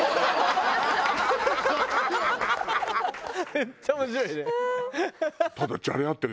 めっちゃ面白いね。